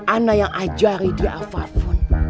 ana yang ajari dia apapun